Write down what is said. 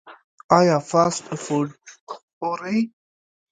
ایا فاسټ فوډ خورئ؟